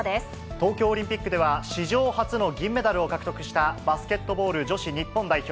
東京オリンピックでは、史上初の銀メダルを獲得したバスケットボール女子日本代表。